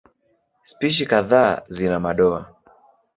Spishi kadhaa zina madoa.